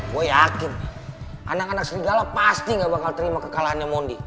gue yakin anak anak serigala pasti gak bakal terima kekalahannya mondi